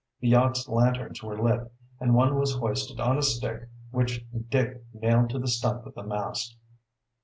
The yacht's lanterns were lit, and one was hoisted on a stick which Dick nailed to the stump of the mast.